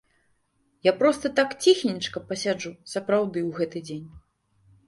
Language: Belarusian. Я проста так ціхенечка пасяджу сапраўды ў гэты дзень.